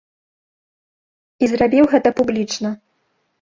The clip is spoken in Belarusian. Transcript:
І зрабіў гэта публічна.